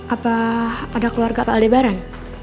apa ada keluarga pak aldebaran